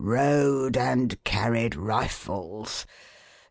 Rode and carried rifles.